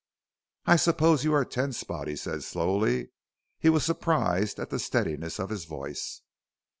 "I suppose you are Ten Spot?" he said slowly. He was surprised at the steadiness of his voice.